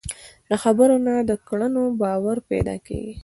د خبرو نه، د کړنو باور پیدا کېږي.